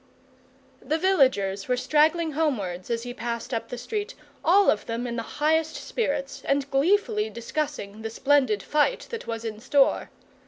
The villagers were straggling homewards as he passed up the street, all of them in the highest spirits, and gleefully discussing the splendid fight that was in store.